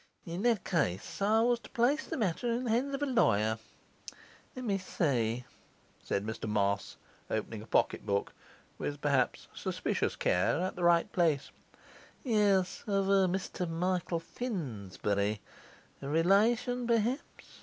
'In that case I was to place the matter in the hands of a lawyer. Let me see,' said Mr Moss, opening a pocket book with, perhaps, suspicious care, at the right place 'Yes of Mr Michael Finsbury. A relation, perhaps?